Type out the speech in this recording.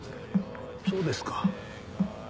そうですか。